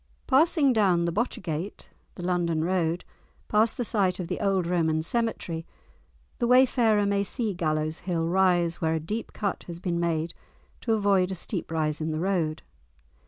Passing down the Botchergate (the London Road), past the site of the old Roman cemetery, the wayfarer may see Gallows Hill rise where a deep cut has been made to avoid a steep rise in the road.